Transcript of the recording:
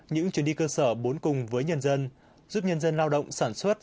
những chuyến đi cơ sở bốn cùng với nhân dân giúp nhân dân lao động sản xuất